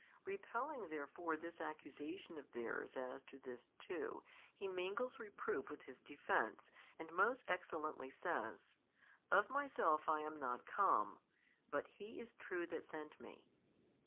Repelling therefore this accusation of theirs as to this too, He mingles reproof with His defence, and most excellently says, Of Myself I am not come, but Se is True That sent Me.